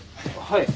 はい。